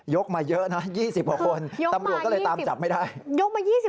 ยกมาเยอะนะ๒๐กว่าคนตำรวจก็เลยตามจับไม่ได้กำลังคือยกมา๒๐กว่าคน